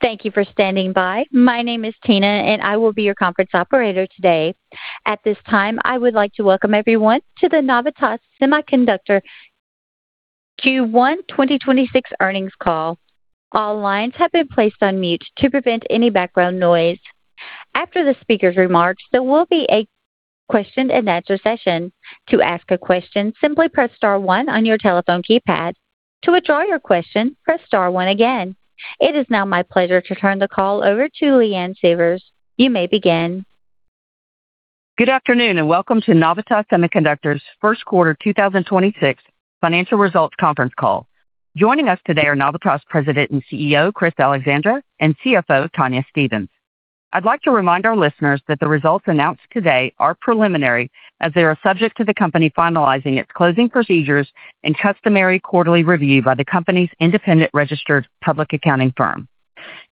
Thank you for standing by. My name is Tina, and I will be your conference operator today. At this time, I would like to welcome everyone to the Navitas Semiconductor Q1 2026 earnings call. All lines have been placed on mute to prevent any background noise. After the speaker's remarks, there will be a question-and-answer session. To ask a question, simply press star one on your telephone keypad. To withdraw your question, press star one again. It is now my pleasure to turn the call over to Leanne Sievers. You may begin. Good afternoon, and welcome to Navitas Semiconductor's first quarter 2026 financial results conference call. Joining us today are Navitas President and CEO, Chris Allexandre, and CFO, Tonya Stevens. I'd like to remind our listeners that the results announced today are preliminary as they are subject to the company finalizing its closing procedures and customary quarterly review by the company's independent registered public accounting firm.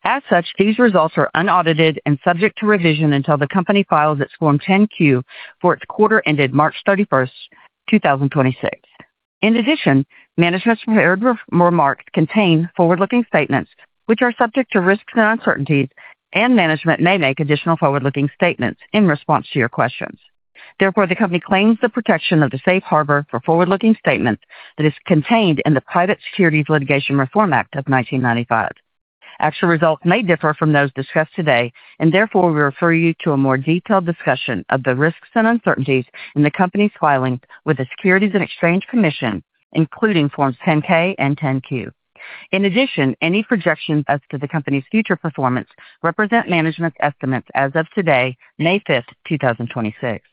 As such, these results are unaudited and subject to revision until the company files its Form 10-Q for its quarter ended March 31st, 2026. In addition, management's prepared re-remarks contain forward-looking statements which are subject to risks and uncertainties, and management may make additional forward-looking statements in response to your questions. Therefore, the company claims the protection of the safe harbor for forward-looking statements that is contained in the Private Securities Litigation Reform Act of 1995. Actual results may differ from those discussed today, and therefore, we refer you to a more detailed discussion of the risks and uncertainties in the company's filings with the Securities and Exchange Commission, including Forms 10-K and 10-Q. In addition, any projections as to the company's future performance represent management's estimates as of today, May 5th, 2026.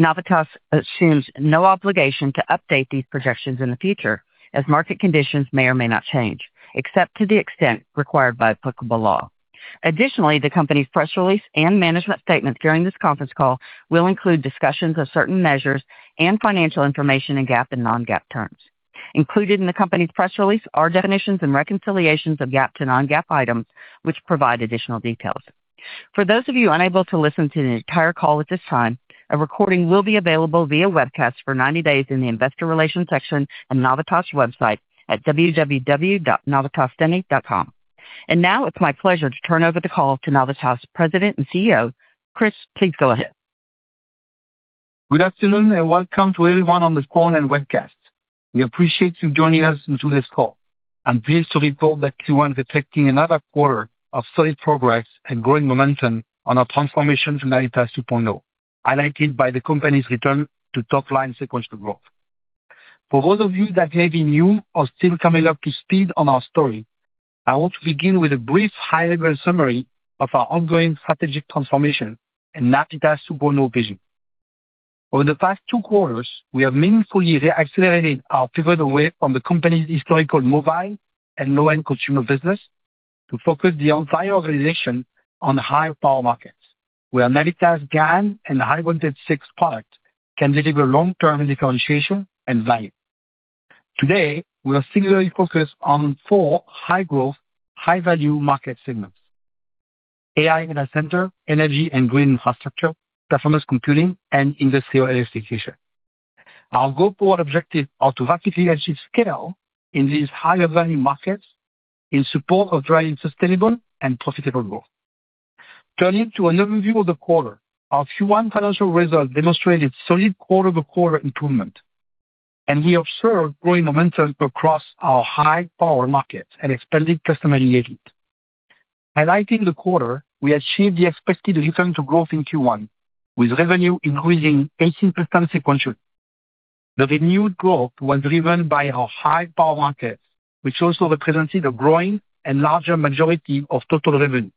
Navitas assumes no obligation to update these projections in the future as market conditions may or may not change, except to the extent required by applicable law. Additionally, the company's press release and management statements during this conference call will include discussions of certain measures and financial information in GAAP and non-GAAP terms. Included in the company's press release are definitions and reconciliations of GAAP to non-GAAP items which provide additional details. For those of you unable to listen to the entire call at this time, a recording will be available via webcast for 90 days in the investor relations section on Navitas website at www.navitassemi.com. Now it's my pleasure to turn over the call to Navitas President and Chief Executive Officer. Chris, please go ahead. Good afternoon, and welcome to everyone on this phone and webcast. We appreciate you joining us into this call. I'm pleased to report that Q1 is reflecting another quarter of solid progress and growing momentum on our transformation to Navitas 2.0, highlighted by the company's return to top-line sequential growth. For those of you that may be new or still coming up to speed on our story, I want to begin with a brief high-level summary of our ongoing strategic transformation and Navitas 2.0 vision. Over the past two quarters, we have meaningfully accelerated our pivot away from the company's historical mobile and low-end consumer business to focus the entire organization on higher power markets, where Navitas GaN and high voltage SiC product can deliver long-term differentiation and value. Today, we are singularly focused on four high-growth, high-value market segments, AI data center, energy and green infrastructure, performance computing, and industrial electrification. Our goal for our objective are to rapidly achieve scale in these higher value markets in support of driving sustainable and profitable growth. Turning to an overview of the quarter. Our Q1 financial results demonstrated solid quarter-over-quarter improvement. We observed growing momentum across our high-power markets and expanded customer engagement. Highlighting the quarter, we achieved the expected return to growth in Q1, with revenue increasing 18% sequentially. The renewed growth was driven by our high-power markets, which also represented a growing and larger majority of total revenue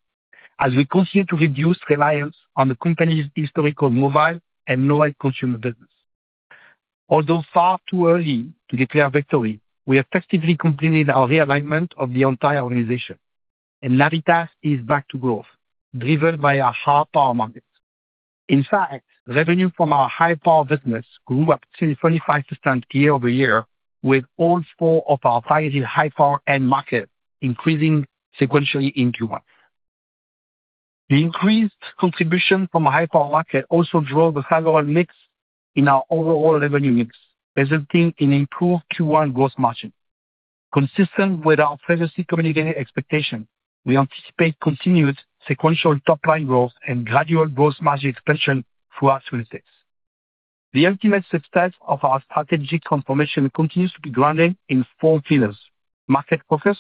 as we continue to reduce reliance on the company's historical mobile and low-end consumer business. Although far too early to declare victory, we effectively completed our realignment of the entire organization, and Navitas is back to growth, driven by our high power market. In fact, revenue from our high power business grew up to 25% year-over-year, with all four of our targeted high power end markets increasing sequentially in Q1. The increased contribution from a high power market also drove a favorable mix in our overall revenue mix, resulting in improved Q1 gross margin. Consistent with our previously communicated expectation, we anticipate continued sequential top-line growth and gradual gross margin expansion throughout 2026. The ultimate success of our strategic transformation continues to be grounded in four pillars, market focus,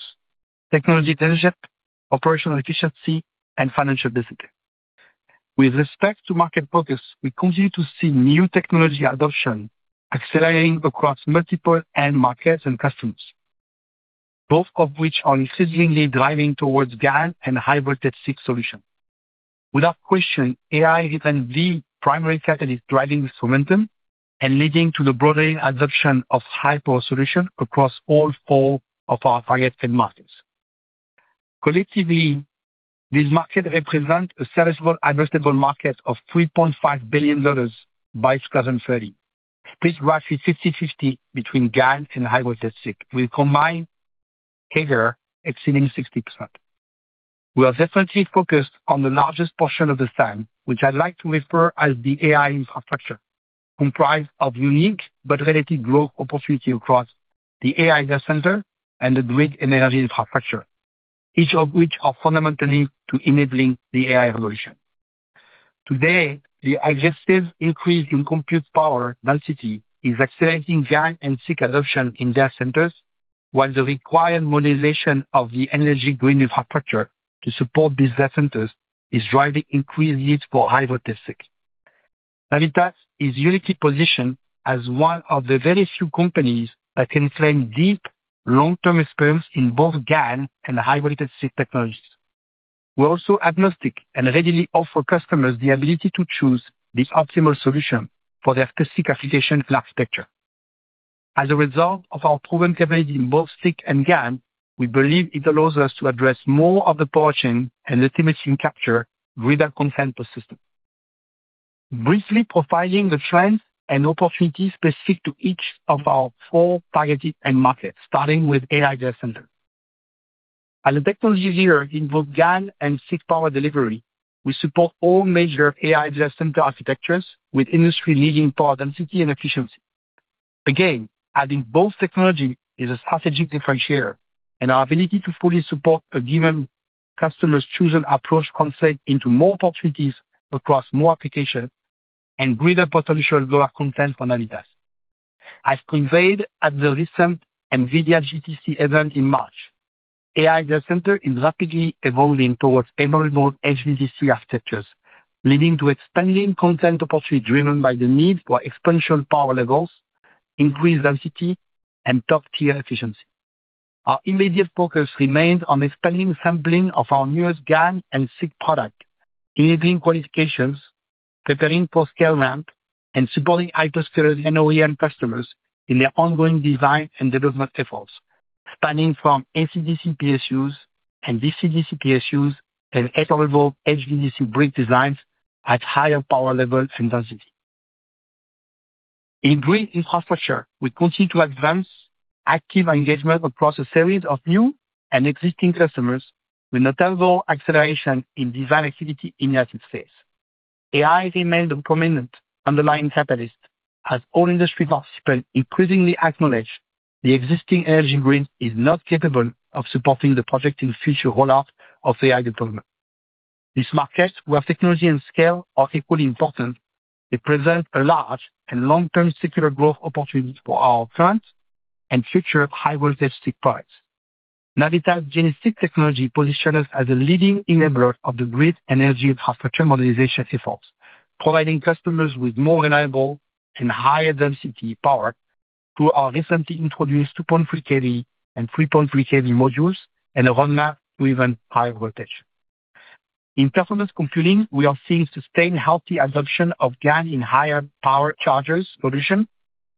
technology leadership, operational efficiency, and financial discipline. With respect to market focus, we continue to see new technology adoption accelerating across multiple end markets and customers, both of which are increasingly driving towards GaN and high voltage SiC solutions. Without question, AI has been the primary catalyst driving this momentum and leading to the broader adoption of high power solution across all four of our target end markets. Collectively, these markets represent a serviceable addressable market of $3.5 billion by 2030. This roughly 50/50 between GaN and high voltage SiC, with combined CAGR exceeding 60%. We are definitely focused on the largest portion of the time, which I'd like to refer as the AI infrastructure. Comprise of unique but relative growth opportunity across the AI data center and the grid energy infrastructure, each of which are fundamentally to enabling the AI revolution. Today, the aggressive increase in compute power density is accelerating GaN and SiC adoption in data centers, while the required modernization of the energy grid infrastructure to support these data centers is driving increased needs for high voltage SiC. Navitas is uniquely positioned as one of the very few companies that can claim deep long-term experience in both GaN and high voltage SiC technologies. We're also agnostic and readily offer customers the ability to choose the optimal solution for their specific application [glass puicture]. As a result of our proven capability in both SiC and GaN, we believe it allows us to address more of the power chain and ultimately capture greater content per system. Briefly profiling the trends and opportunities specific to each of our four targeted end markets, starting with AI data center. As the technologies here involve GaN and SiC power delivery, we support all major AI data center architectures with industry-leading power density and efficiency. Again, adding both technology is a strategic differentiator, and our ability to fully support a given customer's chosen approach concept into more opportunities across more applications and greater potential growth content for Navitas. As conveyed at the recent NVIDIA GTC event in March, AI data center is rapidly evolving towards 800V HVDC architectures, leading to expanding content opportunity driven by the need for exponential power levels, increased density, and top-tier efficiency. Our immediate focus remains on expanding sampling of our newest GaN and SiC product, enabling qualifications, preparing for scale ramp, and supporting hyperscaler and OEM customers in their ongoing design and development efforts, spanning from AC/DC PSUs and DC/DC PSUs and 800V HVDC brick designs at higher power level and density. In grid infrastructure, we continue to advance active engagement across a series of new and existing customers with notable acceleration in design activity in the active space. AI remains a prominent underlying catalyst as all industry participants increasingly acknowledge the existing energy grid is not capable of supporting the projected future rollout of AI deployment. This market, where technology and scale are equally important, it present a large and long-term secular growth opportunity for our current and future high voltage SiCs products. Navitas GeneSiC technology position us as a leading enabler of the grid energy infrastructure modernization efforts, providing customers with more reliable and higher density power through our recently introduced 2.3 kV and 3.3 kV modules and a roadmap to even higher voltage. In performance computing, we are seeing sustained healthy adoption of GaN in higher power chargers solution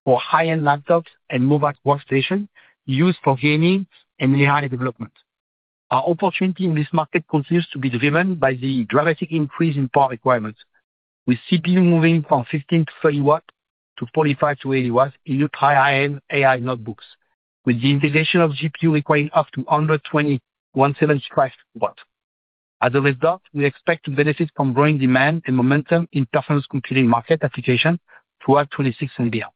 for high-end laptops and mobile workstation used for gaming and AI development. Our opportunity in this market continues to be driven by the dramatic increase in power requirements, with CPU moving from 15W-30W to 45W-80W in new high-end AI notebooks, with the integration of GPU requiring up to 120W, 175W. As a result, we expect to benefit from growing demand and momentum in performance computing market application throughout 2026 and beyond.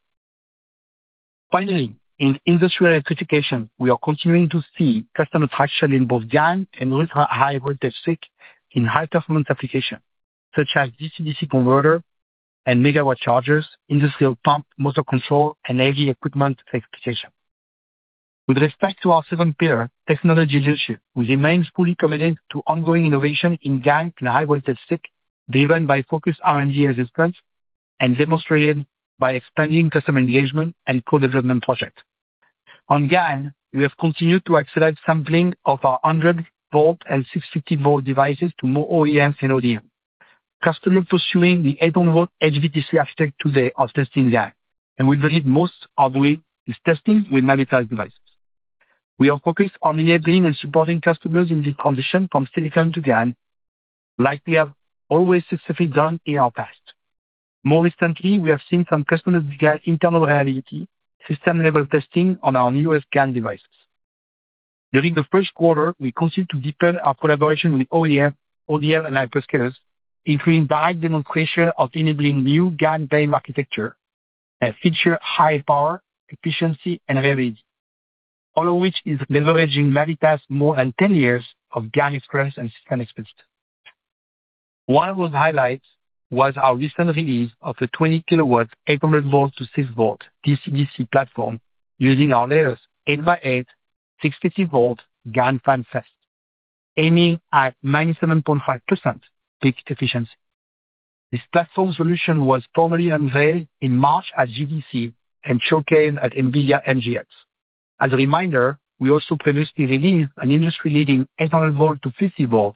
Finally, in industrial electrification, we are continuing to see customer traction in both GaN and ultrahigh voltage SiC in high-performance applications, such as DC/DC converter and megawatt chargers, industrial pump, motor control, and AV equipment electrification. With respect to our second pillar, technology leadership, we remain fully committed to ongoing innovation in GaN and high voltage SiC, driven by focused R&D investments and demonstrated by expanding customer engagement and co-development project. On GaN, we have continued to accelerate sampling of our 100 V and 650 V devices to more OEMs and ODMs. Customers pursuing the 800 V HVDC architect today are testing GaN, and we believe most are doing this testing with Navitas devices. We are focused on enabling and supporting customers in this transition from silicon to GaN like we have always successfully done in our past. More recently, we have seen some customers begin internal reliability system level testing on our newest GaN devices. During the first quarter, we continued to deepen our collaboration with OEMs, ODMs, and hyperscalers, including direct demonstration of enabling new GaN dame architecture that feature high power, efficiency, and reliability, all of which is leveraging Navitas more than 10 years of GaN experience and system expertise. One of those highlights was our recent release of the 20 kilowatt, 800 volts to 6 volt DC/DC platform using our latest 8 by 8, 650 V GaNFast, aiming at 97.5% peak efficiency. This platform solution was formally unveiled in March at GTC and showcased at NVIDIA NGX. As a reminder, we also previously released an industry-leading 800 V to 50 V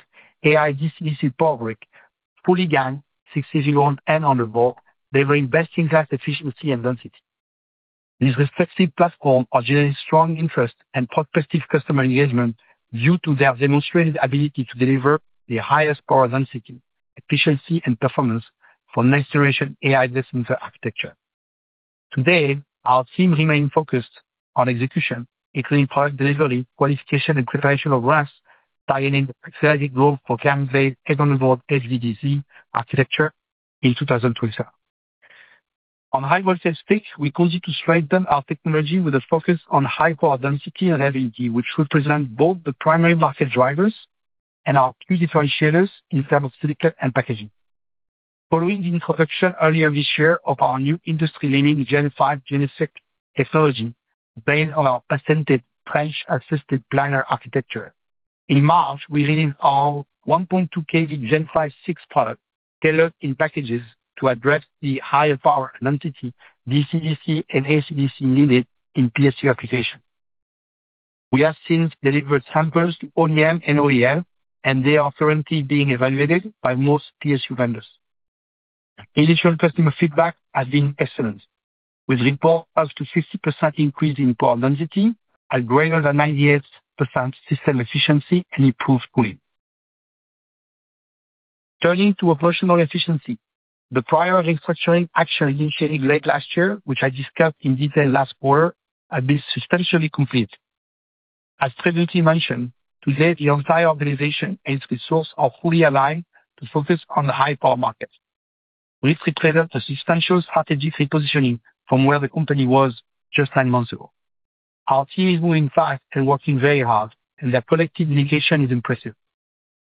AI DC/DC power brick, fully GaN, six yers ago and on the board delivering best-in-class efficiency and density. These respective platforms are generating strong interest and prospective customer engagement due to their demonstrated ability to deliver the highest power density, efficiency, and performance for next generation AI data center architecture. Today, our team remain focused on execution, including product delivery, qualification, and preparation of ramps, dialing the strategic growth for GaN-based edge-on-the board HVDC architecture in 2027. On high voltage picks, we continue to strengthen our technology with a focus on high power density and LVD, which represent both the primary market drivers and our key differentiators in terms of silicon and packaging. Following the introduction earlier this year of our new industry-leading Gen 5 GeneSiC technology based on our patented trench-assisted planar architecture. In March, we released our 1.2 kV Gen 5 SiC product tailored in packages to address the higher power density DC/DC and AC/DC needed in PSU applications. We have since delivered samples to OEM and OEM. They are currently being evaluated by most PSU vendors. Initial customer feedback has been excellent, with reports up to 50% increase in power density and greater than 98% system efficiency and improved cooling. Turning to operational efficiency, the prior restructuring action initiated late last year, which I discussed in detail last quarter, has been substantially complete. Previously mentioned, today the entire organization and its resource are fully aligned to focus on the high power market, which represents a substantial strategic repositioning from where the company was just 9 months ago. Our team is moving fast and working very hard. Their collective dedication is impressive.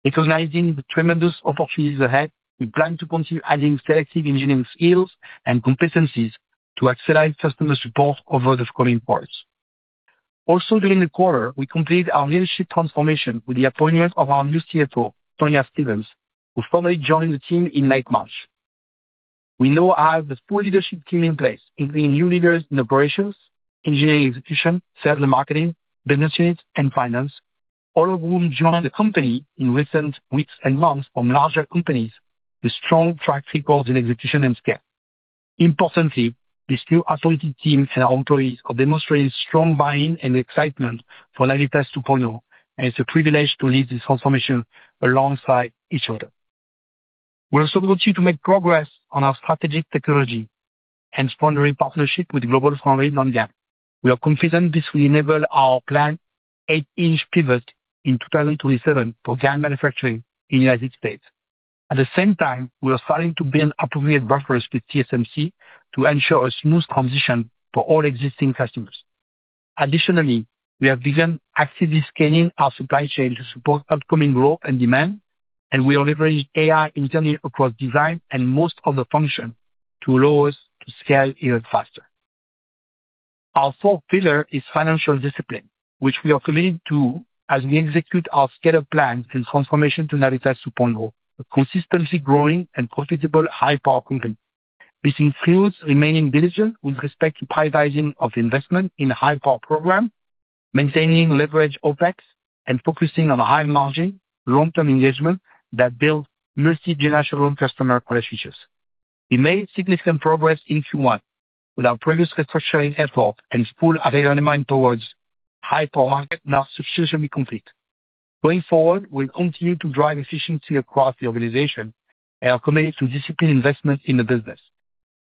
Recognizing the tremendous opportunities ahead, we plan to continue adding selective engineering skills and competencies to accelerate customer support over the coming quarters. Also during the quarter, we completed our leadership transformation with the appointment of our new CFO, Tonya Stevens, who formally joined the team in late March. We now have the full leadership team in place, including new leaders in operations, engineering execution, sales and marketing, business units, and finance, all of whom joined the company in recent weeks and months from larger companies with strong track records in execution and scale. Importantly, this new authority team and our employees are demonstrating strong buy-in and excitement for Navitas 2.0, and it's a privilege to lead this transformation alongside each other. We also continue to make progress on our strategic technology and sponsoring partnership with GlobalFoundries on GaN. We are confident this will enable our planned 8-inch pivot in 2027 for GaN manufacturing in the U.S. At the same time, we are starting to build appropriate buffers with TSMC to ensure a smooth transition for all existing customers. Additionally, we have begun actively scaling our supply chain to support upcoming growth and demand, and we are leveraging AI internally across design and most other functions to allow us to scale even faster. Our fourth pillar is financial discipline, which we are committed to as we execute our scale-up plan and transformation to Navitas 2.0, a consistently growing and profitable high-power company. This includes remaining diligent with respect to prioritizing of investment in high-power program, maintaining leverage OpEx, and focusing on high-margin long-term engagement that builds multi-generational customer relationships. We made significant progress in Q1 with our previous restructuring effort and full alignment towards high-power market now substantially complete. Going forward, we'll continue to drive efficiency across the organization and are committed to disciplined investment in the business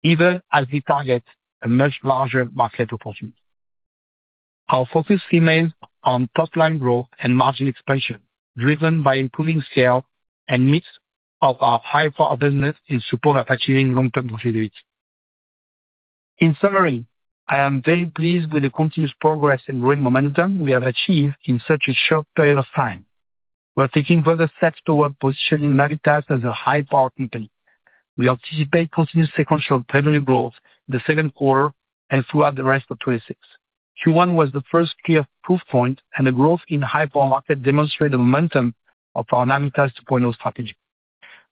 even as we target a much larger market opportunity. Our focus remains on top-line growth and margin expansion, driven by improving scale and mix of our high power business in support of achieving long-term profitability. In summary, I am very pleased with the continuous progress and great momentum we have achieved in such a short period of time. We are taking further steps toward positioning Navitas as a high power company. We anticipate continued sequential revenue growth in the second quarter and throughout the rest of 2026. Q1 was the first clear proof point, and the growth in high power market demonstrate the momentum of our Navitas 2.0 strategy.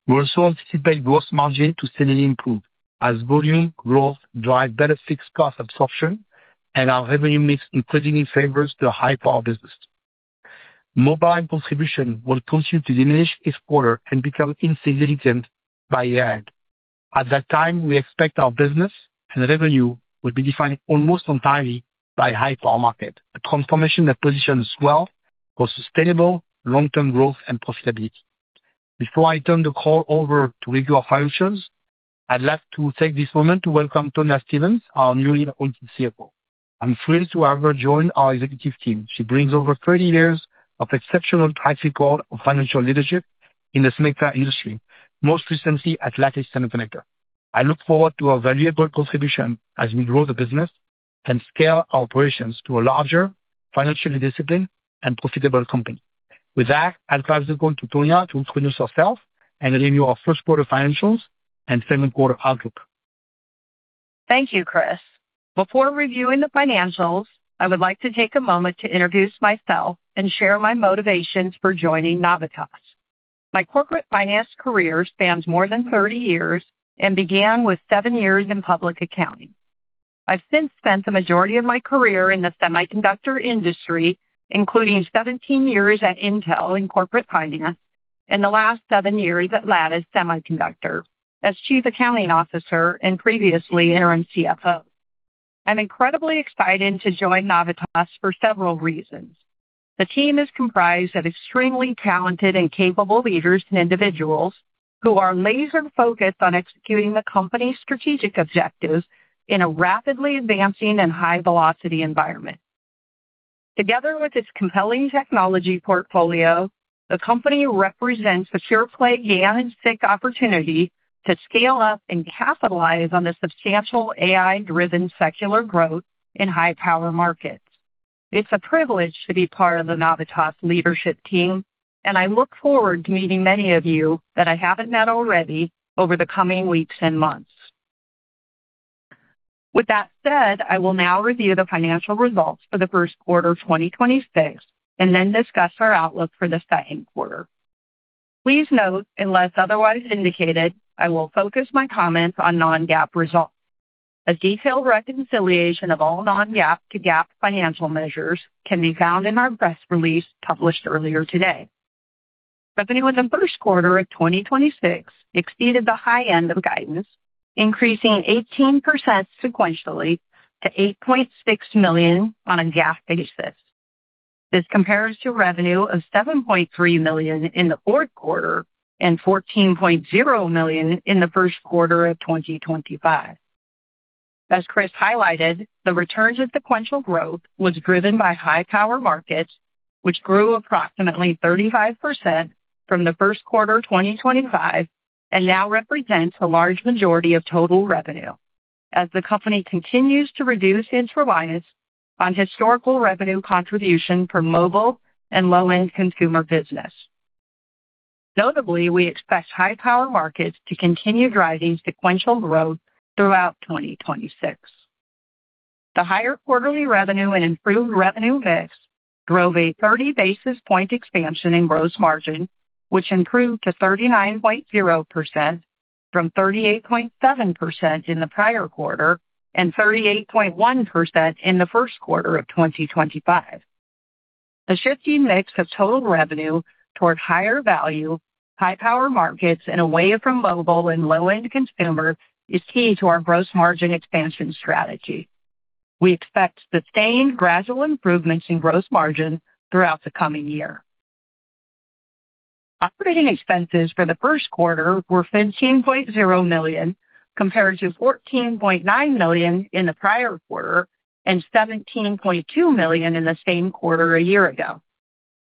We also anticipate gross margin to steadily improve as volume growth drive better fixed cost absorption and our revenue mix increasingly favors the high power business. Mobile contribution will continue to diminish each quarter and become insignificant by year end. At that time, we expect our business and revenue will be defined almost entirely by high power market, a transformation that positions well for sustainable long-term growth and profitability. Before I turn the call over to review our financials, I'd like to take this moment to welcome Tonya Stevens, our newly appointed CFO. I'm thrilled to have her join our executive team. She brings over 30 years of exceptional track record of financial leadership in the semiconductor industry, most recently at Lattice Semiconductor. I look forward to her valuable contribution as we grow the business and scale our operations to a larger financially disciplined and profitable company. With that, I'll now just going to Tonya to introduce herself and review our first quarter financials and second quarter outlook. Thank you, Chris. Before reviewing the financials, I would like to take a moment to introduce myself and share my motivations for joining Navitas. My corporate finance career spans more than 30 years and began with seven years in public accounting. I've since spent the majority of my career in the semiconductor industry, including 17 years at Intel in corporate finance and the last seven years at Lattice Semiconductor as chief accounting officer and previously interim CFO. I'm incredibly excited to join Navitas for several reasons. The team is comprised of extremely talented and capable leaders and individuals who are laser-focused on executing the company's strategic objectives in a rapidly advancing and high-velocity environment. Together with its compelling technology portfolio, the company represents a pure-play GaN and SiC opportunity to scale up and capitalize on the substantial AI-driven secular growth in high-power markets. It's a privilege to be part of the Navitas leadership team, and I look forward to meeting many of you that I haven't met already over the coming weeks and months. With that said, I will now review the financial results for the first quarter of 2026 and then discuss our outlook for the second quarter. Please note, unless otherwise indicated, I will focus my comments on non-GAAP results. A detailed reconciliation of all non-GAAP to GAAP financial measures can be found in our press release published earlier today. Revenue in the first quarter of 2026 exceeded the high end of guidance, increasing 18% sequentially to $8.6 million on a GAAP basis. This compares to revenue of $7.3 million in the Q4 and $14.0 million in the first quarter of 2025. As Chris highlighted, the return to sequential growth was driven by high-power markets, which grew approximately 35% from the first quarter 2025 and now represents a large majority of total revenue as the company continues to reduce its reliance on historical revenue contribution from mobile and low-end consumer business. Notably, we expect high-power markets to continue driving sequential growth throughout 2026. The higher quarterly revenue and improved revenue mix drove a 30 basis point expansion in gross margin, which improved to 39.0% from 38.7% in the prior quarter and 38.1% in the first quarter of 2025. The shifting mix of total revenue toward higher value, high-power markets and away from mobile and low-end consumer is key to our gross margin expansion strategy. We expect sustained gradual improvements in gross margin throughout the coming year. Operating expenses for the first quarter were $15.0 million, compared to $14.9 million in the prior quarter and $17.2 million in the same quarter a year ago.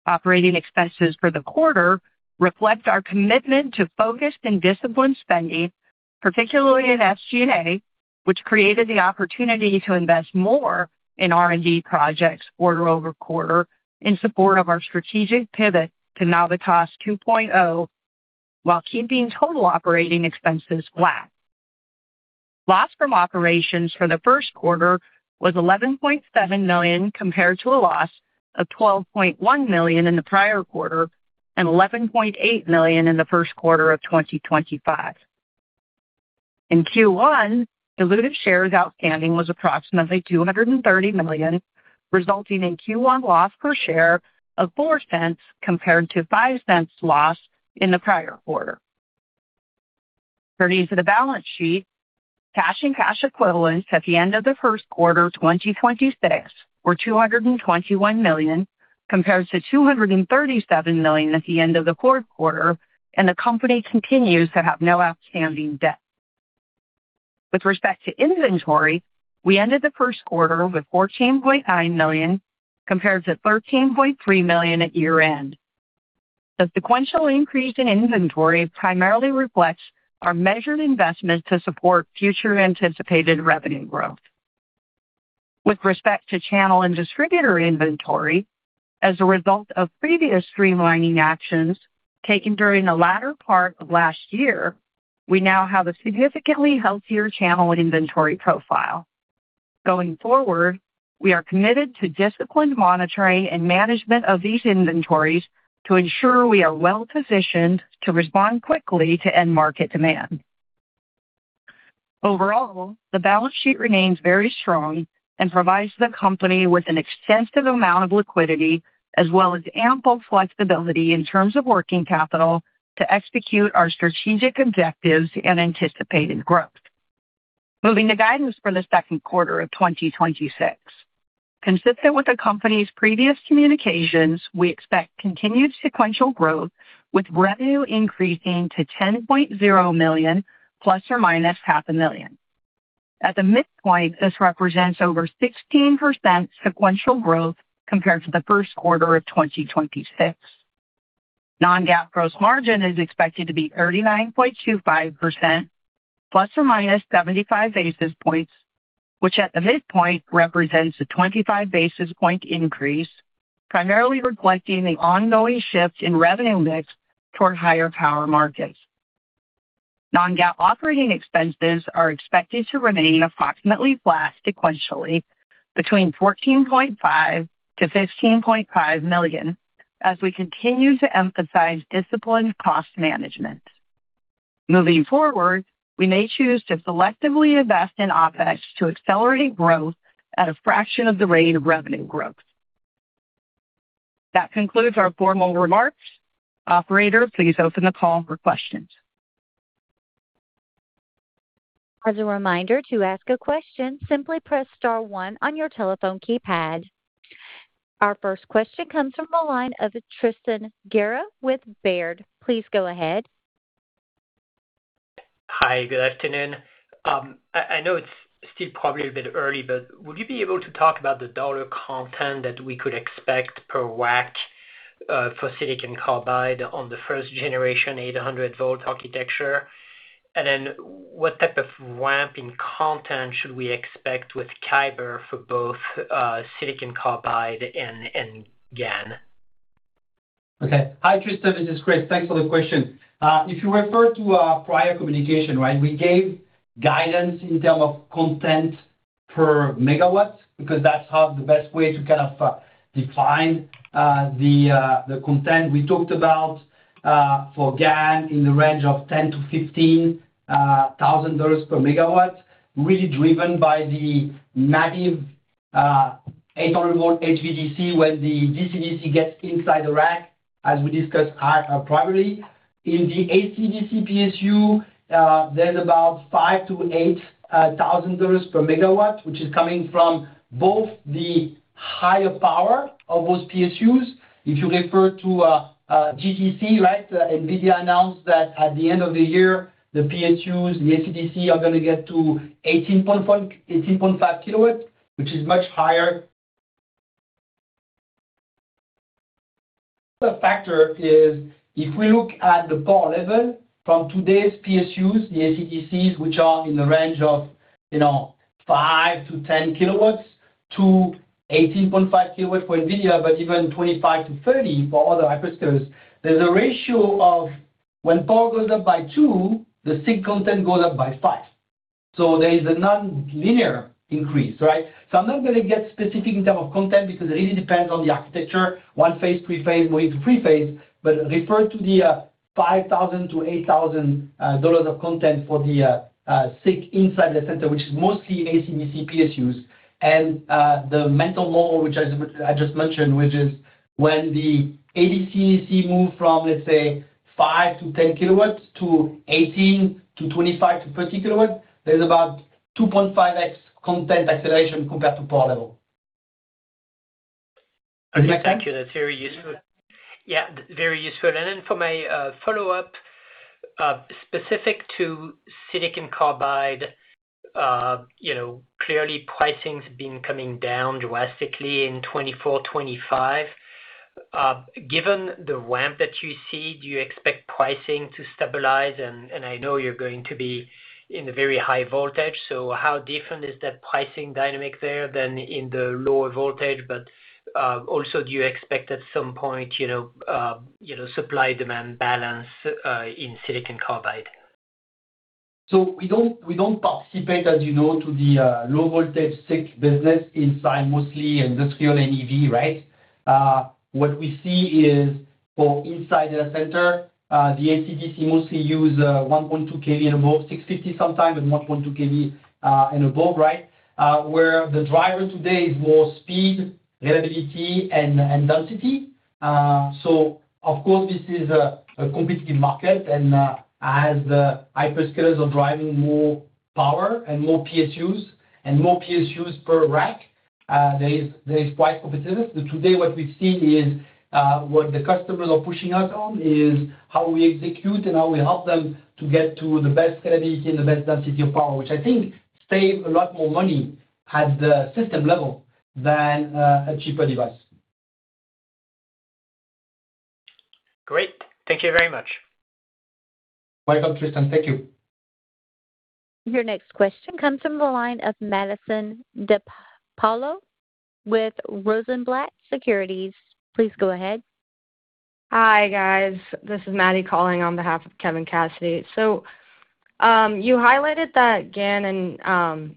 Operating expenses for the quarter reflect our commitment to focused and disciplined spending, particularly in SG&A, which created the opportunity to invest more in R&D projects quarter-over-quarter in support of our strategic pivot to Navitas 2.0, while keeping total operating expenses flat. Loss from operations for the first quarter was $11.7 million, compared to a loss of $12.1 million in the prior quarter and $11.8 million in the first quarter of 2025. In Q1, diluted shares outstanding was approximately $230 million, resulting in first quarter loss per share of $0.04 compared to $0.05 loss in the prior quarter. Turning to the balance sheet, cash and cash equivalents at the end of the first quarter 2026 were $221 million, compared to $237 million at the end of the fourth quarter, and the company continues to have no outstanding debt. With respect to inventory, we ended the first quarter with $14.9 million, compared to $13.3 million at year-end. The sequential increase in inventory primarily reflects our measured investment to support future anticipated revenue growth. With respect to channel and distributor inventory, as a result of previous streamlining actions taken during the latter part of last year, we now have a significantly healthier channel inventory profile. Going forward, we are committed to disciplined monitoring and management of these inventories to ensure we are well-positioned to respond quickly to end market demand. Overall, the balance sheet remains very strong and provides the company with an extensive amount of liquidity as well as ample flexibility in terms of working capital to execute our strategic objectives and anticipated growth. Moving to guidance for the second quarter of 2026. Consistent with the company's previous communications, we expect continued sequential growth, with revenue increasing to $10.0 million plus or minus half a million. At the midpoint, this represents over 16% sequential growth compared to the first quarter of 2026. Non-GAAP gross margin is expected to be 39.25% plus or minus 75 basis points, which at the midpoint represents a 25 basis point increase, primarily reflecting the ongoing shift in revenue mix toward higher power markets. Non-GAAP operating expenses are expected to remain approximately flat sequentially between $14.5 million-$15.5 million as we continue to emphasize disciplined cost management. Moving forward, we may choose to selectively invest in OpEx to accelerate growth at a fraction of the rate of revenue growth. That concludes our formal remarks. Operator, please open the call for questions. As a reminder, to ask a question, simply press star one on your telephone keypad. Our first question comes from the line of Tristan Gerra with Baird. Please go ahead. Hi. Good afternoon. I know it's still probably a bit early, but would you be able to talk about the dollar content that we could expect per watt for silicon carbide on the first generation 800 V architecture? What type of ramp in content should we expect with Kyber for both silicon carbide and GaN? Okay. Hi, Tristan. This is Chris. Thanks for the question. If you refer to our prior communication, right, we gave guidance in term of content per megawatts because that's how the best way to kind of define the content we talked about for GaN in the range of $10,000-$15,000 per megawatt, really driven by the Navitas 800 V HVDC when the DC/DC gets inside the rack, as we discussed at privately. In the AC/DC PSU, there's about $5,000-$8,000 per megawatt, which is coming from both the higher power of those PSUs. If you refer to GTC, right, NVIDIA announced that at the end of the year, the PSUs, the AC/DC are gonna get to 18.5 kW, which is much higher. The factor is if we look at the power level from today's PSUs, the AC/DCs, which are in the range of, you know, 5 kW-10 kW to 18.5 kilowatts for NVIDIA, but even 25 kW-30 kW for other hyperscalers, there's a ratio of when power goes up by two, the SiC content goes up by five. There is a nonlinear increase, right? I'm not gonna get specific in term of content because it really depends on the architecture, one phase, three phase, going to three phase, but refer to the $5,000-$8,000 of content for the SiC inside the center, which is mostly AC/DC PSUs. The mental law, which I just mentioned, which is when the AC/DC move from, let's say, 5 kW to 10 kW to 18 kW to 25 kW to 30 kW, there's about 2.5x content acceleration compared to power level. Thank you. That's very useful. Yeah. Very useful. For my follow-up, specific to silicon carbide, you know, clearly pricing's been coming down drastically in 2024, 2025. Given the ramp that you see, do you expect pricing to stabilize? I know you're going to be in a very high voltage, so how different is that pricing dynamic there than in the lower voltage? Also, do you expect at some point, you know, supply-demand balance, in silicon carbide? We don't participate, as you know, to the low voltage SiC business inside mostly industrial and EV, right? What we see is for inside data center, the AC-DC mostly use 1.2 kV and above 650 sometimes, but 1.2 kV and above, right? Where the driver today is more speed, reliability, and density. Of course, this is a competitive market, and as the hyperscalers are driving more power and more PSUs, and more PSUs per rack, there is price competitiveness. Today what we've seen is, what the customers are pushing us on is how we execute and how we help them to get to the best credibility and the best density of power, which I think save a lot more money at the system level than, a cheaper device. Great. Thank you very much. My help, Tristan. Thank you. Your next question comes from the line of Maddie De Paola with Rosenblatt Securities. Please go ahead. Hi, guys. This is Maddie calling on behalf of Kevin Cassidy. You highlighted that GaN and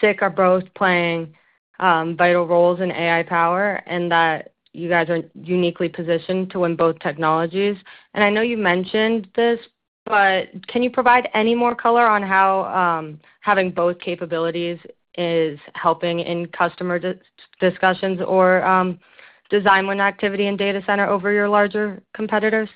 SiC are both playing vital roles in AI power and that you guys are uniquely positioned to win both technologies. I know you mentioned this, but can you provide any more color on how having both capabilities is helping in customer discussions or design win activity in data center over your larger competitors?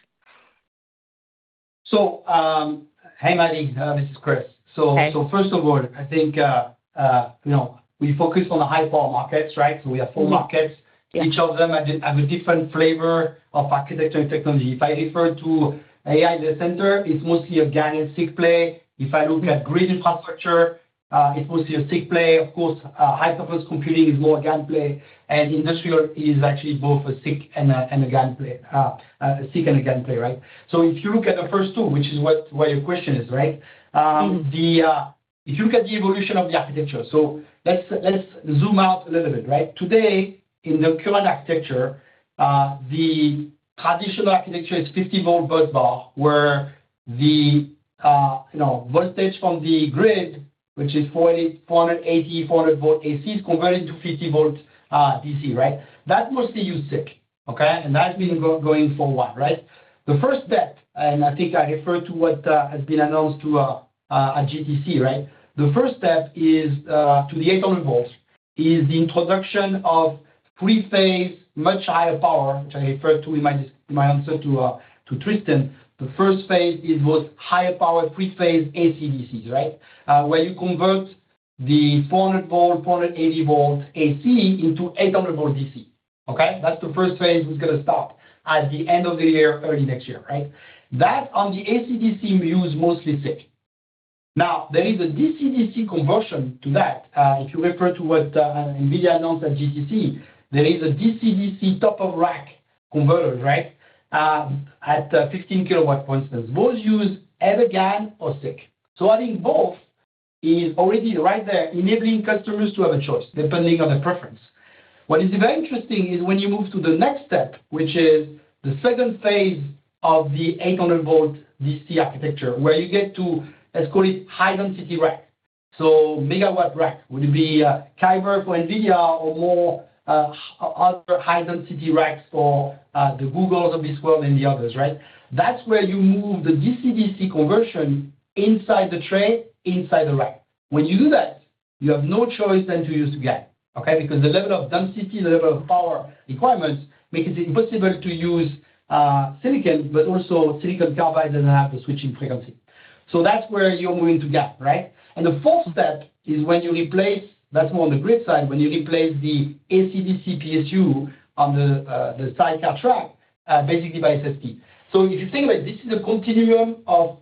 Hey, Maddie, this is Chris. Okay. First of all, I think, you know, we focus on the high power markets, right? We have four markets. Yeah. Each of them have a different flavor of architecture and technology. If I refer to AI data center, it's mostly a GaN and SiC play. If I look at grid infrastructure, it's mostly a SiC play. Of course, high performance computing is more a GaN play, and industrial is actually both a SiC and a GaN play, right? If you look at the first two, which is what your question is, right? If you look at the evolution of the architecture, let's zoom out a little bit, right? Today, in the current architecture, the traditional architecture is 50 V busbar, where the, you know, voltage from the grid, which is 480, 400 V AC is converted to 50 VDC, right? That mostly use SiC, okay. That's been going for a while, right? The first step, I think I referred to what has been announced at GTC, right? The first step is to the 800 V, is the introduction of three phase, much higher power, which I referred to in my answer to Tristan. The first phase is both higher power three phase AC/DCs, right? Where you convert the 400, 480 V AC into 800 V DC. Okay. That's the first phase, which is gonna start at the end of the year, early next year, right? That on the AC/DC we use mostly SiC. There is a DC/DC conversion to that. If you refer to what NVIDIA announced at GTC, there is a DC/DC top of rack converter, right, at 15 kW, for instance. Both use either GaN or SiC. Having both is already right there enabling customers to have a choice depending on their preference. What is very interesting is when you move to the next step, which is the second phase of the 800 V DC architecture, where you get to, let's call it high density rack. Megawatt rack would be Kyber for NVIDIA or more other high density racks for the Google of this world and the others, right? That's where you move the DC/DC conversion inside the tray, inside the rack. When you do that, you have no choice than to use GaN. Okay. The level of density, the level of power requirements makes it impossible to use silicon, but also silicon carbide doesn't have the switching frequency. That's where you're moving to GaN, right? The fourth step is when you replace, that's more on the grid side, when you replace the AC/DC PSU on the sidecar track, basically by SST. If you think about it, this is a continuum of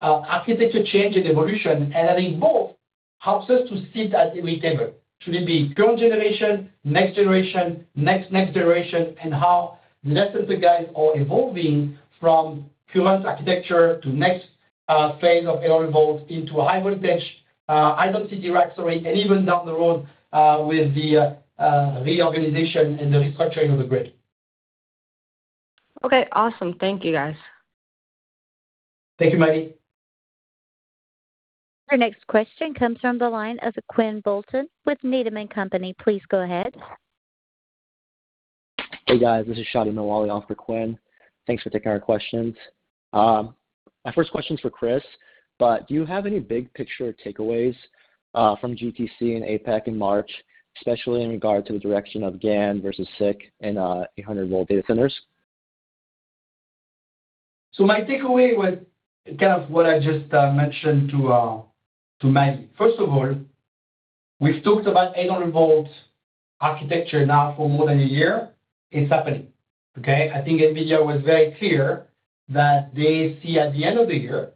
architecture change and evolution, and having both helps us to sit at the big table. Should it be current generation, next generation, next generation, and how the next set of guys are evolving from current architecture to next phase of 800 V into a high voltage, high density racks array, and even down the road with the reorganization and the restructuring of the grid. Okay, awesome. Thank you, guys. Thank you, Maddie De Paola. Our next question comes from the line of Quinn Bolton with Needham & Company. Please go ahead. Hey, guys. This is Shadi Milwali on for Quinn. Thanks for taking our questions. My first question is for Chris, but do you have any big picture takeaways from GTC and APEC in March, especially in regard to the direction of GaN versus SiC in 800 V data centers? My takeaway was kind of what I just mentioned to Maddie. First of all, we've talked about 800 V architecture now for more than one year. It's happening. I think NVIDIA was very clear that they see at the end of the year,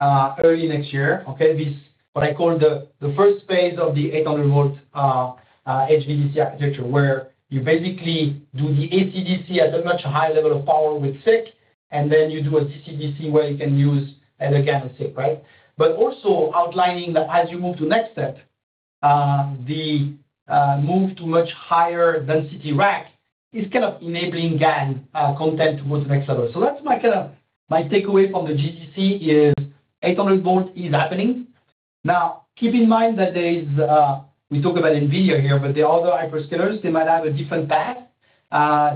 early next year, this, what I call the first phase of the 800 V HVDC architecture, where you basically do the AC/DC at a much higher level of power with SiC, and then you do a DC/DC where you can use either GaN or SiC. Right? Also outlining that as you move to next step, the move to much higher density rack is kind of enabling GaN content towards the next level. That's my kinda, my takeaway from the GTC is 800 V is happening. Keep in mind that there is, we talk about NVIDIA here, but there are other hyperscalers, they might have a different path.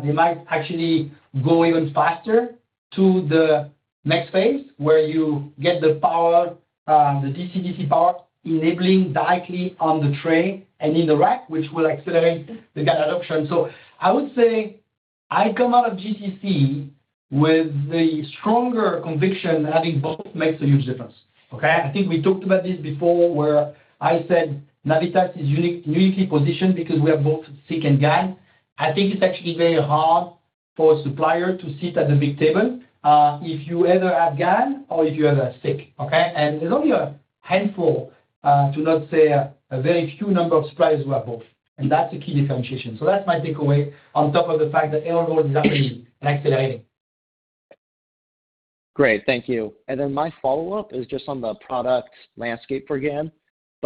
They might actually go even faster to the next phase, where you get the power, the DC/DC part enabling directly on the tray and in the rack, which will accelerate the GaN adoption. I would say I come out of GTC with the stronger conviction that having both makes a huge difference. Okay? I think we talked about this before, where I said Navitas is uniquely positioned because we have both SiC and GaN. I think it's actually very hard for a supplier to sit at the big table, if you either have GaN or if you have, SiC. Okay? There's only a handful, to not say a very few number of suppliers who have both, and that's a key differentiation. That's my takeaway on top of the fact that 800 V is happening and accelerating. Great. Thank you. My follow-up is just on the product landscape for GaN.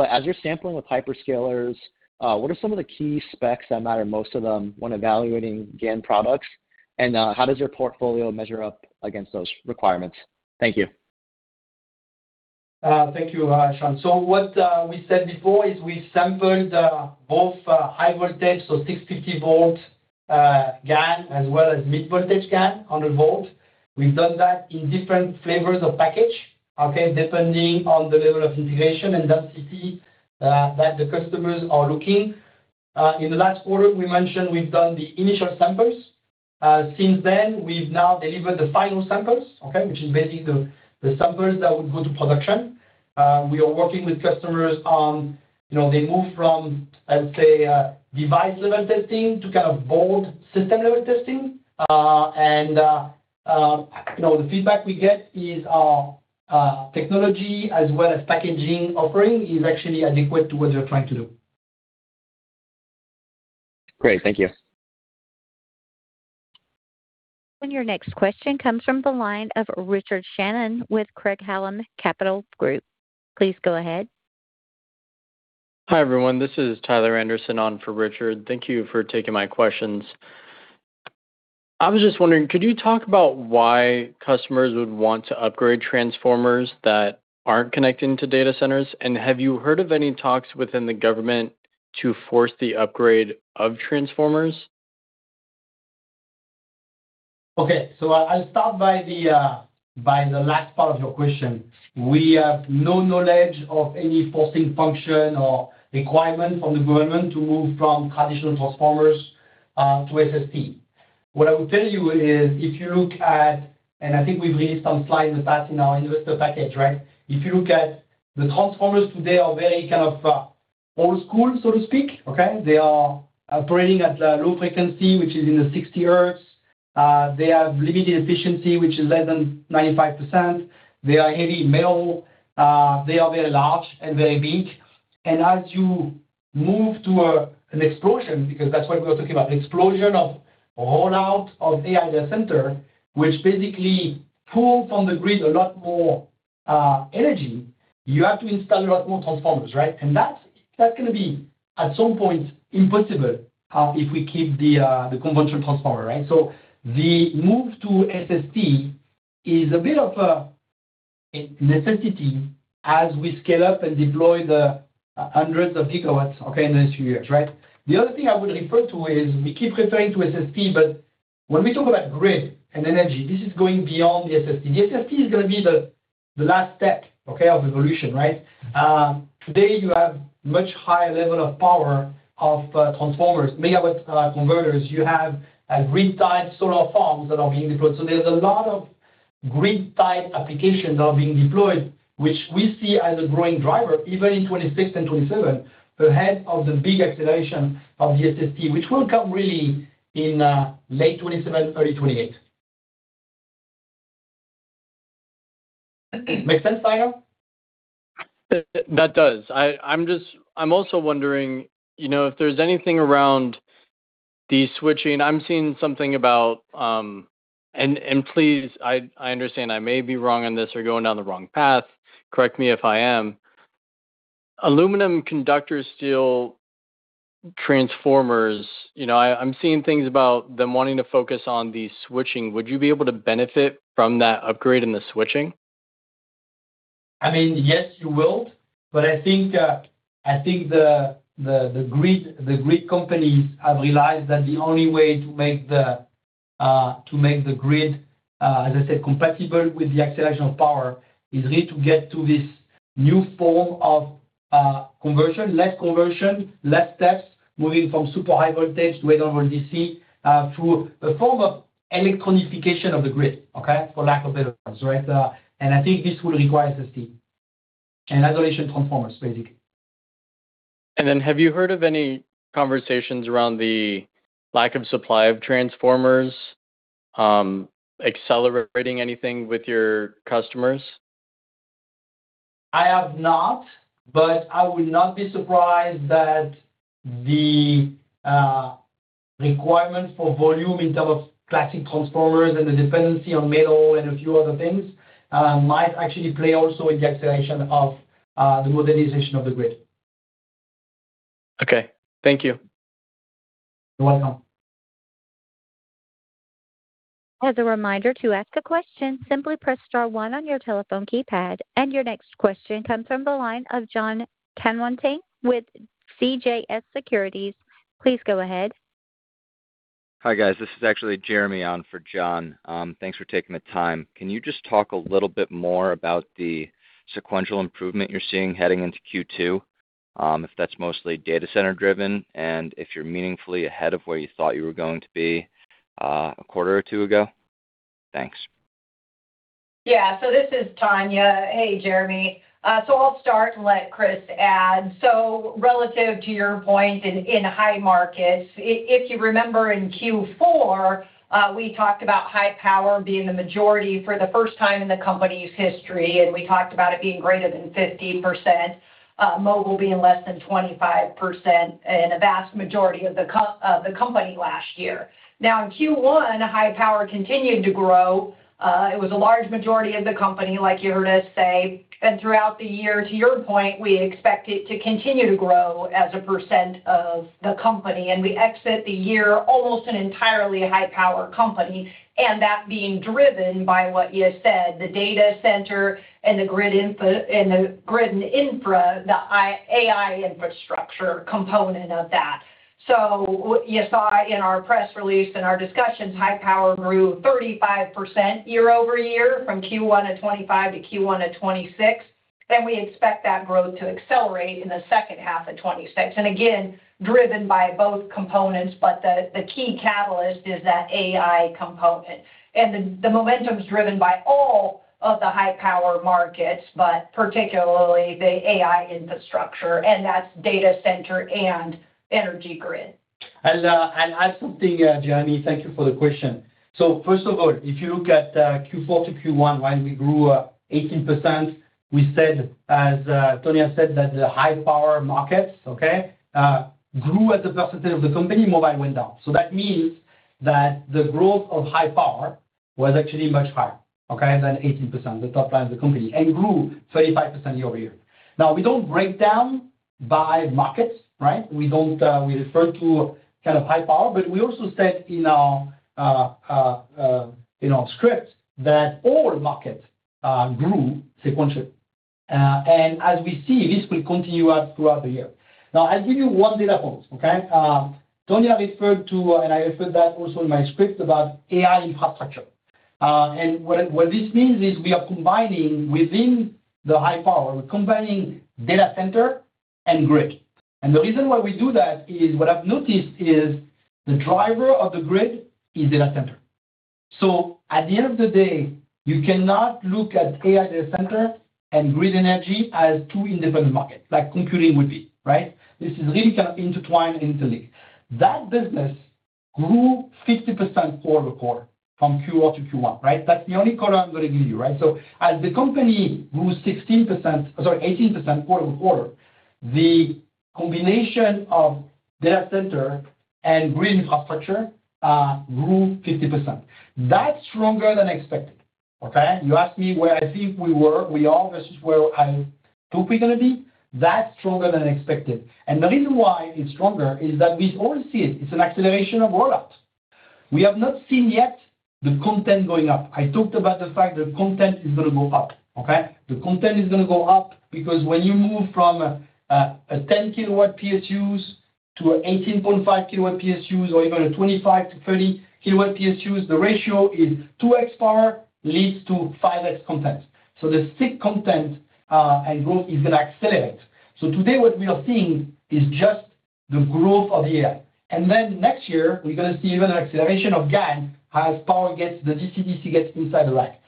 As you're sampling with hyperscalers, what are some of the key specs that matter most to them when evaluating GaN products? How does your portfolio measure up against those requirements? Thank you. Thank you, Shadi. What we said before is we sampled both high voltage, so 650 V GaN, as well as mid-voltage GaN, 100 V. We've done that in different flavors of package, okay, depending on the level of integration and density that the customers are looking. In the last quarter, we mentioned we've done the initial samples. Since then, we've now delivered the final samples, okay, which is basically the samples that would go to production. We are working with customers on, you know, the move from, let's say, a device level testing to kind of board system level testing. You know, the feedback we get is technology as well as packaging offering is actually adequate to what they're trying to do. Great. Thank you. Your next question comes from the line of Richard Shannon with Craig-Hallum Capital Group. Please go ahead. Hi, everyone. This is Tyler Anderson on for Richard. Thank you for taking my questions. I was just wondering, could you talk about why customers would want to upgrade transformers that aren't connecting to data centers? Have you heard of any talks within the government to force the upgrade of transformers? I'll start by the last part of your question. We have no knowledge of any forcing function or requirement from the government to move from traditional transformers to SST. What I will tell you is, if you look at And I think we've released some slides in the past in our investor package, right? If you look at the transformers today are very kind of old school, so to speak, okay. They are operating at a low frequency, which is in the 60 Hz. They have limited efficiency, which is less than 95%. They are heavy metal. They are very large and very big. As you move to an explosion, because that's what we are talking about, explosion of rollout of AI data center, which basically pulls from the grid a lot more energy, you have to install a lot more transformers, right? That's gonna be at some point impossible if we keep the conventional transformer, right? The move to SST is a bit of a necessity as we scale up and deploy the hundreds of gigawatts in the next few years, right? The other thing I would refer to is we keep referring to SST, but when we talk about grid and energy, this is going beyond the SST. The SST is gonna be the last step of evolution, right? Today you have much higher level of power of transformers, megawatts, converters. You have grid-tied solar farms that are being deployed. There's a lot of grid-type applications that are being deployed, which we see as a growing driver even in 2026 and 2027, ahead of the big acceleration of the SST, which will come really in late 2027, early 2028. Make sense, Tyler? That does. I'm also wondering, you know, if there's anything around the switching. I'm seeing something about. Please, I understand I may be wrong on this or going down the wrong path. Correct me if I am. Aluminum conductor, steel transformers, you know, I'm seeing things about them wanting to focus on the switching. Would you be able to benefit from that upgrade in the switching? I mean, yes, you will. I think the grid companies have realized that the only way to make the grid, as I said, compatible with the acceleration of power is really to get to this new form of conversion, less conversion, less steps, moving from super high voltage, to whatever DC, through a form of electronification of the grid, okay? For lack of better terms, right? I think this will require SST and isolation transformers, basically. Have you heard of any conversations around the lack of supply of transformers, accelerating anything with your customers? I have not, but I will not be surprised that the requirement for volume in terms of classic transformers and the dependency on metal and a few other things might actually play also in the acceleration of the modernization of the grid. Okay. Thank you. You're welcome. As a reminder, to ask a question, simply press star one on your telephone keypad. Your next question comes from the line of Jon Tanwanteng with CJS Securities. Please go ahead. Hi, guys. This is actually Jeremy on for Jon. Thanks for taking the time. Can you just talk a little bit more about the sequential improvement you're seeing heading into Q2, if that's mostly data center driven, and if you're meaningfully ahead of where you thought you were going to be, a quarter or two ago? Thanks. Yeah. This is Tonya. Hey, Jeremy. I'll start and let Chris add. Relative to your point in high markets, if you remember in Q4, we talked about high power being the majority for the first time in the company's history, and we talked about it being greater than 15%, mobile being less than 25%, and a vast majority of the company last year. In Q1, high power continued to grow. It was a large majority of the company, like you heard us say. Throughout the year, to your point, we expect it to continue to grow as a percent of the company, and we exit the year almost an entirely high-power company, and that being driven by what you said, the data center and the grid and infra, the AI infrastructure component of that. What you saw in our press release and our discussions, high power grew 35% year-over-year from Q1 2025 to Q1 2026, and we expect that growth to accelerate in the second half of 2026. Again, driven by both components, but the key catalyst is that AI component. The momentum is driven by all of the high-power markets, but particularly the AI infrastructure, and that's data center and energy grid. I have something, Jeremy, thank you for the question. First of all, if you look at Q4 to Q1 when we grew 18%, we said, as Tonya Stevens said, that the high power markets, okay, grew as a percentage of the company, mobile went down. That means that the growth of high power was actually much higher, okay, than 18%, the top line of the company, and grew 35% year-over-year. We don't break down by markets, right? We don't. We refer to kind of high power we also said in our script that all markets grew sequentially. As we see, this will continue out throughout the year. I'll give you one data point, okay? Tonya referred to, and I referred that also in my script about AI infrastructure. What this means is we are combining within the high power, we're combining data center and grid. The reason why we do that is, what I've noticed is the driver of the grid is data center. At the end of the day, you cannot look at AI data center and grid energy as two independent markets, like computing would be, right? This is really kind of intertwined, interlinked. That business grew 50% quarter-over-quarter, from Q2 to Q1, right? That's the only quarter I'm gonna give you, right? As the company grew 18% quarter-over-quarter, the combination of data center and grid infrastructure grew 50%. That's stronger than expected, okay. You asked me where I think we were, we are versus where I thought we're gonna be. That's stronger than expected. The reason why it's stronger is that we all see it. It's an acceleration of rollout. We have not seen yet the content going up. I talked about the fact that content is gonna go up, okay? The content is gonna go up because when you move from a 10 kW PSUs to a 18.5 kW PSUs or even a 25 to 30 kilowatt PSUs, the ratio is 2x power leads to 5x content. The SiC content and growth is gonna accelerate. Today, what we are seeing is just the growth of AI. Next year, we're gonna see even an acceleration of GaN as the DC/DC gets inside the rack.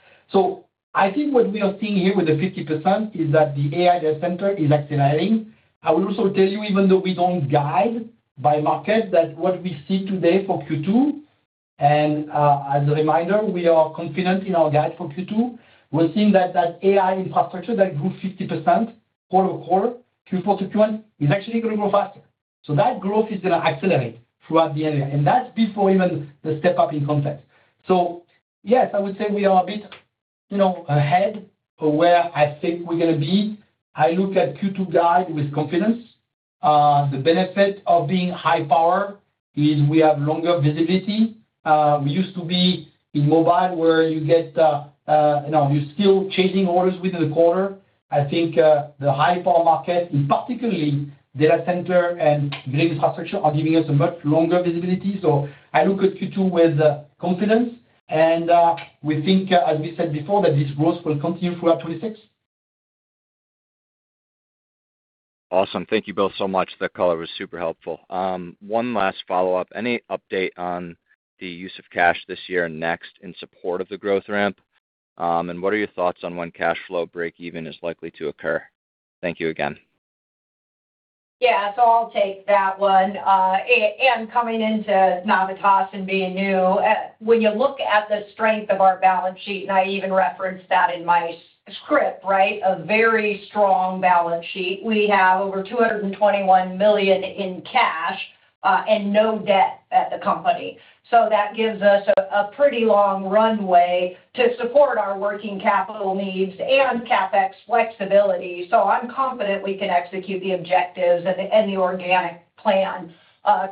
I think what we are seeing here with the 50% is that the AI data center is accelerating. I will also tell you, even though we don't guide by market, that what we see today for Q2, and as a reminder, we are confident in our guide for Q2. We're seeing that that AI infrastructure that grew 50% quarter-over-quarter, Q4 to Q1, is actually gonna grow faster. That growth is gonna accelerate throughout the year, and that's before even the step-up in content. Yes, I would say we are a bit, you know, ahead of where I think we're gonna be. I look at Q2 guide with confidence. The benefit of being high power is we have longer visibility. We used to be in mobile where you get, you know, you're still chasing orders within the quarter. I think the high power market, and particularly data center and grid infrastructure, are giving us a much longer visibility. I look at Q2 with confidence and we think, as we said before, that this growth will continue throughout 2026. Awesome. Thank you both so much. That color was super helpful. One last follow-up. Any update on the use of cash this year and next in support of the growth ramp? What are your thoughts on when cash flow break even is likely to occur? Thank you again. Yeah. I'll take that one. And coming into Navitas and being new, when you look at the strength of our balance sheet, and I even referenced that in my script, right? A very strong balance sheet. We have over $221 million in cash and no debt at the company. That gives us a pretty long runway to support our working capital needs and CapEx flexibility. I'm confident we can execute the objectives and the organic plan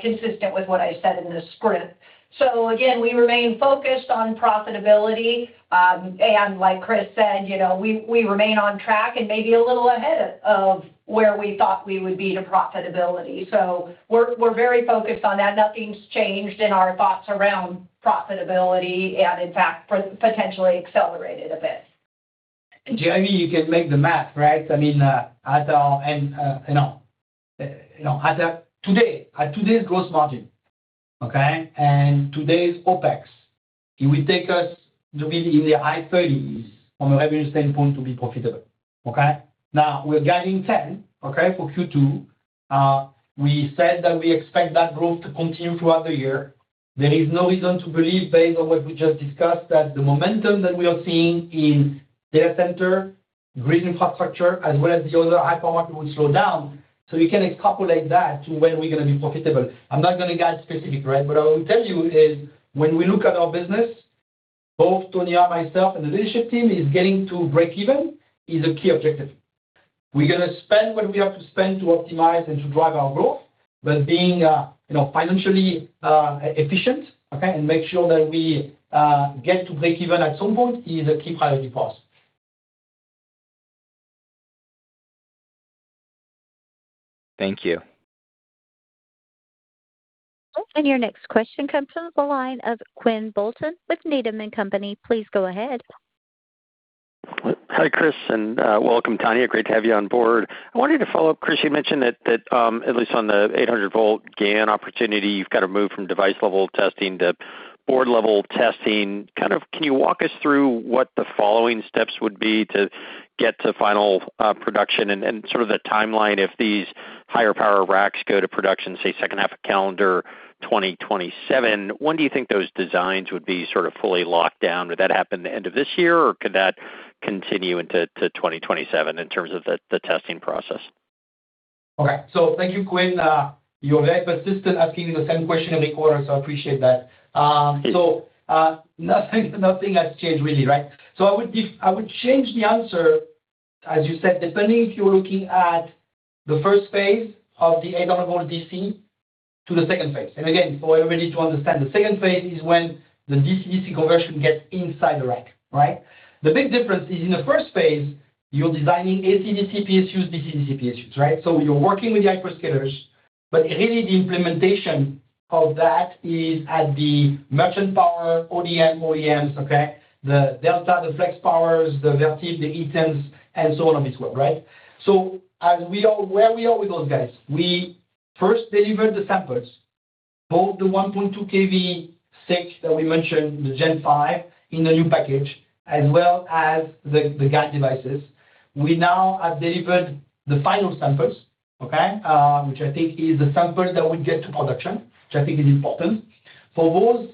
consistent with what I said in the script. Again, we remain focused on profitability, and like Chris said, you know, we remain on track and maybe a little ahead of where we thought we would be to profitability. We're very focused on that. Nothing's changed in our thoughts around profitability. In fact, potentially accelerated a bit. Jeremy, you can make the math, right? I mean, you know, today, at today's gross margin, okay? Today's OpEx, it will take us to be in the high 30s from a revenue standpoint to be profitable, okay? We're guiding 10, okay, for Q2. We said that we expect that growth to continue throughout the year. There is no reason to believe based on what we just discussed, that the momentum that we are seeing in data center, grid infrastructure, as well as the other high power market will slow down. You can extrapolate that to when we're gonna be profitable. I'm not gonna guide specific, right? What I will tell you is when we look at our business, both Tonya, myself, and the leadership team, is getting to break even is a key objective. We're gonna spend what we have to spend to optimize and to drive our growth, but being, you know, financially efficient, okay. Make sure that we get to break even at some point is a key priority for us. Thank you. Your next question comes from the line of Quinn Bolton with Needham & Company. Please go ahead. Hi, Chris, welcome, Tonya. Great to have you on board. I wanted to follow up. Chris, you mentioned that, at least on the 800 V GaN opportunity, you've got to move from device level testing to board level testing. Kind of can you walk us through what the following steps would be to get to final production and sort of the timeline if these higher power racks go to production, say second half of calendar 2027, when do you think those designs would be sort of fully locked down? Would that happen at the end of this year or could that continue into 2027 in terms of the testing process? Okay. Thank you, Quinn. You're very persistent asking the same question every quarter, so I appreciate that. Nothing has changed really, right? I would change the answer, as you said, depending if you're looking at the first phase of the 800 V DC to the second phase. Again, for everybody to understand, the second phase is when the DC-DC conversion gets inside the rack, right? The big difference is in the first phase, you're designing AC-DC PSUs, DC-DC PSUs, right? You're working with the hyperscalers, but really the implementation of that is at the merchant power, ODM, OEMs, okay? The Delta, the Flex Power Modules, the Vertiv, the Eaton, and so on and so forth, right? Where we are with those guys, we first delivered the samples, both the 1.2 kV SiC that we mentioned, the Gen5, in the new package, as well as the GaN devices. We now have delivered the final samples, okay? Which I think is the samples that will get to production, which I think is important. For those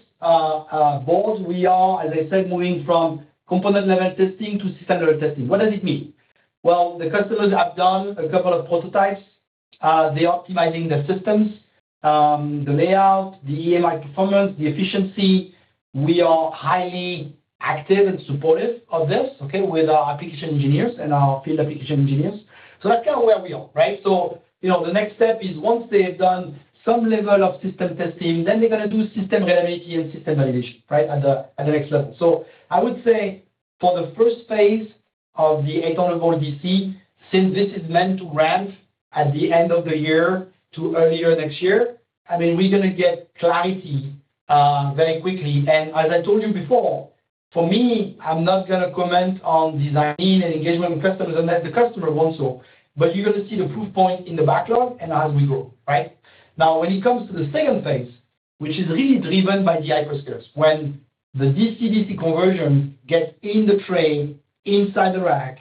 boards, we are, as I said, moving from component level testing to standard testing. What does it mean? Well, the customers have done a couple of prototypes. They're optimizing the systems, the layout, the EMI performance, the efficiency. We are highly active and supportive of this, okay, with our application engineers and our field application engineers. That's kind of where we are, right? You know, the next step is once they've done some level of system testing, then they're gonna do system reliability and system validation, right, at the next level. I would say for the first phase of the 800 V DC, since this is meant to ramp at the end of the year to earlier next year, I mean, we're gonna get clarity very quickly. As I told you before, for me, I'm not gonna comment on design win and engagement with customers unless the customer wants so. You're gonna see the proof point in the backlog and as we go, right? When it comes to the second phase, which is really driven by the hyperscalers, when the DC-DC conversion gets in the tray inside the rack,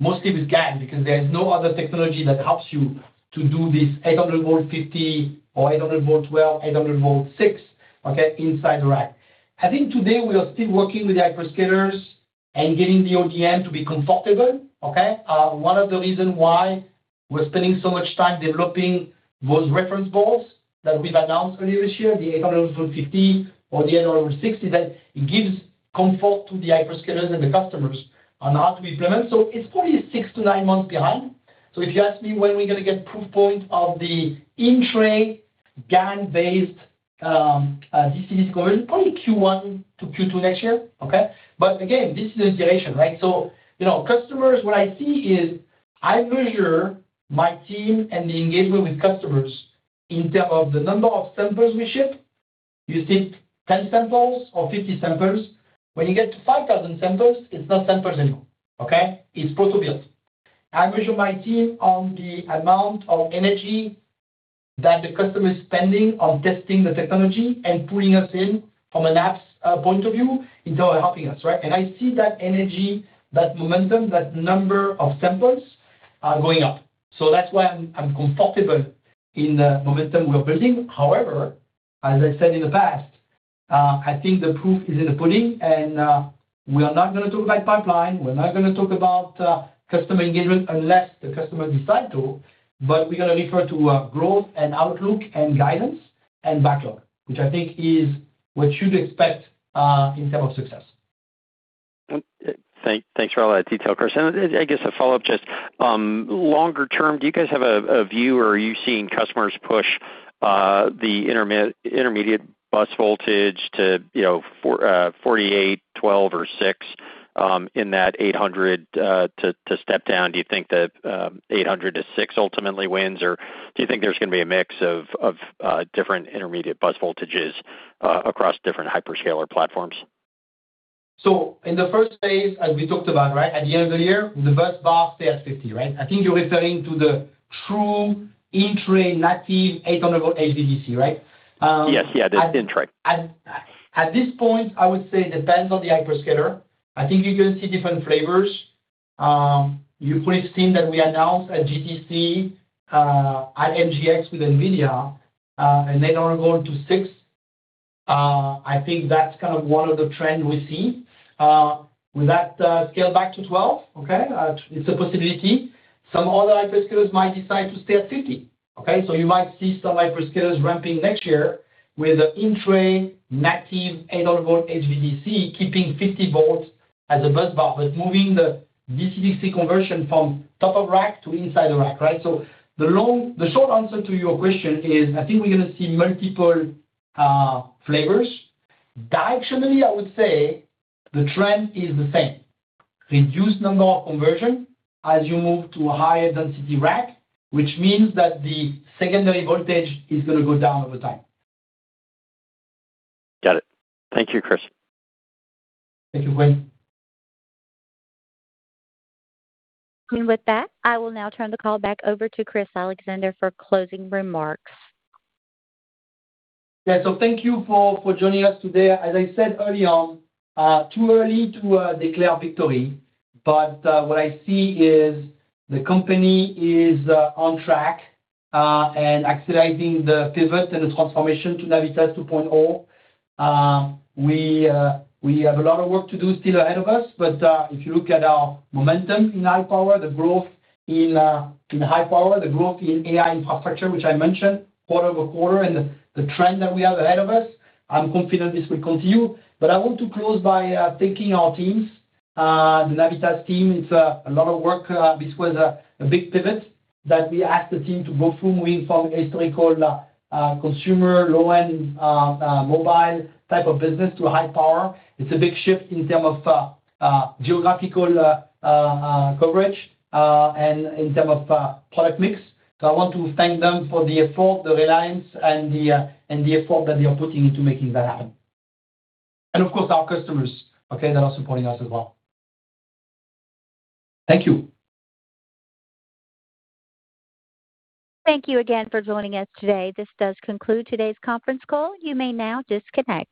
mostly with GaN, because there is no other technology that helps you to do this 800 V 50 or 800 V 12, 800 V or 6, okay, inside the rack. I think today we are still working with hyperscalers and getting the ODM to be comfortable, okay? One of the reason why we're spending so much time developing those reference boards that we've announced earlier this year, the 800 V 50 or the 800 V 60, that it gives comfort to the hyperscalers and the customers on how to implement. It's probably six to nine months behind. If you ask me when we're gonna get proof point of the in-tray GaN-based DC/DC conversion, probably Q1 to Q2 next year. Okay. Again, this is the iteration, right. You know, customers, what I see is I measure my team and the engagement with customers in term of the number of samples we ship. You ship 10 samples or 50 samples. When you get to 5,000 samples, it's not 10% more, okay. It's proto builds. I measure my team on the amount of energy that the customer is spending on testing the technology and pulling us in from a labs point of view into helping us, right. I see that energy, that momentum, that number of samples going up. That's why I'm comfortable in the momentum we are building. However, as I said in the past, I think the proof is in the pudding and we are not gonna talk about pipeline. We're not gonna talk about customer engagement unless the customer decides to, but we're gonna refer to growth and outlook and guidance and backlog, which I think is what you'd expect in terms of success. Thanks for all that detail, Chris. I guess a follow-up just, longer term, do you guys have a view or are you seeing customers push the intermediate bus voltage to, you know, for, 48, 12 or 6, in that 800, to step down? Do you think that 800 to 6 ultimately wins? Or do you think there's gonna be a mix of different intermediate bus voltages across different hyperscaler platforms? In the first phase, as we talked about, right, at the end of the year, the busbar stays at 50, right? I think you're referring to the true Navitas 800 V HVDC, right? Yes, yeah, the in-tray. At this point, I would say it depends on the hyperscaler. I think you're gonna see different flavors. You probably seen that we announced at GTC [IMGX] with NVIDIA, they are going to six. I think that's kind of one of the trend we see. Will that scale back to 12? Okay. It's a possibility. Some other hyperscalers might decide to stay at 50. Okay? You might see some hyperscalers ramping next year with a in-tray native 800 V HVDC, keeping 50 V as a bus bar, but moving the DC/DC conversion from top of rack to inside the rack, right? The short answer to your question is, I think we're gonna see multiple flavors. Directionally, I would say the trend is the same. Reduced number of conversion as you move to a higher density rack, which means that the secondary voltage is gonna go down over time. Got it. Thank you, Chris. Thank you, Quinn Bolton. With that, I will now turn the call back over to Chris Allexandre for closing remarks. Thank you for joining us today. As I said early on, too early to declare victory, but what I see is the company is on track and accelerating the pivot and the transformation to Navitas 2.0. We have a lot of work to do still ahead of us, but if you look at our momentum in high power, the growth in high power, the growth in AI infrastructure, which I mentioned quarter-over-quarter, and the trend that we have ahead of us, I'm confident this will continue. I want to close by thanking our teams, the Navitas team. It's a lot of work. This was a big pivot that we asked the team to go from winning from a historically called consumer, low-end, mobile type of business to high power. It's a big shift in terms of geographical coverage and in terms of product mix. I want to thank them for the effort, the resilience, and the effort that they are putting into making that happen. Of course, our customers, okay, that are supporting us as well. Thank you. Thank you again for joining us today. This does conclude today's conference call. You may now disconnect.